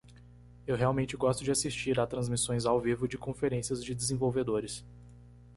Eu realmente gosto de assistir a transmissões ao vivo de conferências de desenvolvedores.